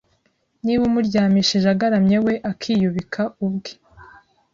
niba umuryamishije agaramye we akiyubika ubwe